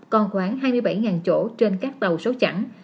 còn khoảng hai mươi bảy chỗ trên các tàu số chẳng